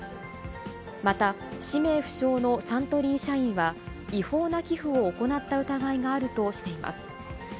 また、氏名不詳のサントリー社員は、違法な寄付を行った疑いがあるとしています。